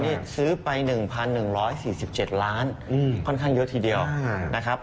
นี่ซื้อไป๑๑๔๗ล้านค่อนข้างเยอะทีเดียวนะครับ